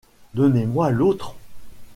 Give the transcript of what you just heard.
Donnez-moi l’autre.